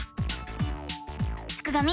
すくがミ